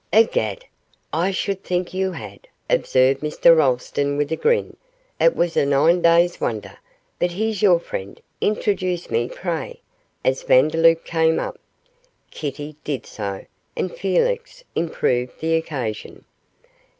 'Egad! I should think you had,' observed Mr Rolleston, with a grin, 'it was a nine days' wonder; but here's your friend, introduce me, pray,' as Vandeloup came up. Kitty did so, and Felix improved the occasion.